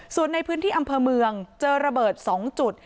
ส่วนในพื้นที่อำเภอเมืองเจอระเบิด๒จุด